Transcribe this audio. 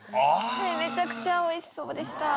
めちゃくちゃおいしそうでした。